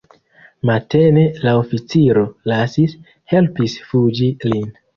Matene la oficiro lasis, helpis fuĝi lin.